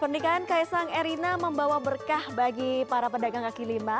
pernikahan kaisang erina membawa berkah bagi para pedagang kaki lima